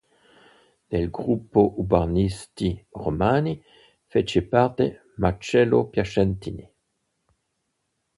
Del Gruppo Urbanisti Romani fece parte Marcello Piacentini.